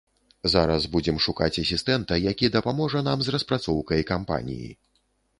Зараз будзем шукаць асістэнта, які дапаможа нам з распрацоўкай кампаніі.